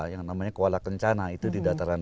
yang namanya kuala kencana itu di dataran